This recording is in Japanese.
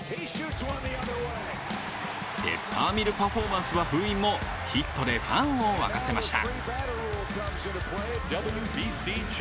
ペッパーミルパフォーマンスは封印も、ヒットでファンを沸かせました。